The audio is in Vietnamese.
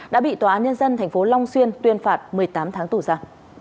đã bị tòa án nhân dân thành phố long xuyên tuyên phạt một mươi tám tháng tù ra